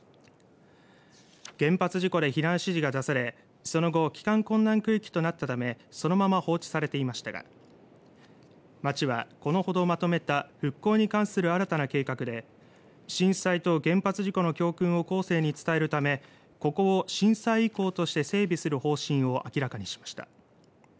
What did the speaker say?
原発事故で避難指示が出されその後期間困難区域となったためそのまま放置されていましたが町はこのほどまとめた復興に関する新たな計画で震災と原発事故の教訓を後世に伝えるためここを震災遺構として整備する方針を明らかにしました。